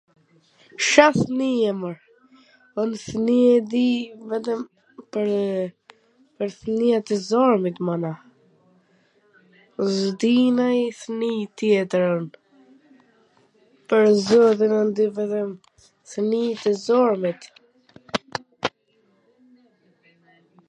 Ca fmije mor? Un fmij e di vetwm pwr fmijwt e zarmit mana, z di nanj fmij tjetwr, pwr zotin un di vetwm fmijt e zarmit,